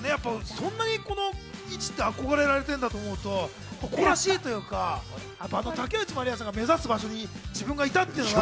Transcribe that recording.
そんなにこの位置って憧れられてるんだと思うと誇らしいというか竹内まりやさんが目指す場所に自分がいたっていうのが。